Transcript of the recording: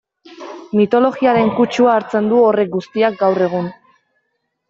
Mitologiaren kutsua hartzen du horrek guztiak gaur egun...